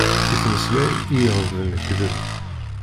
Ittmeslay, i iɣelben lekdeb.